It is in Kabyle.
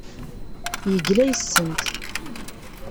Yegla yes-sent.